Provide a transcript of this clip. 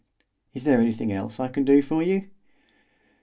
Is there anything else I can do for you?"